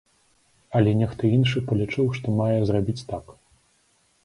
Але нехта іншы палічыў, што мае зрабіць так.